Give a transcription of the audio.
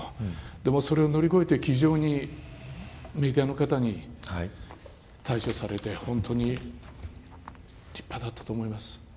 でも、それを乗り越えて気丈にメディアの方に対処されて、本当に立派だったと思います。